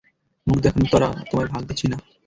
মুখ দেখানোর তো আর তোমায় ভাগ দিচ্ছি না।